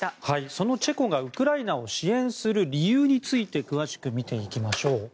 そのチェコがウクライナを支援する理由について見ていきましょう。